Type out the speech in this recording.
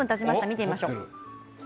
見てみましょう。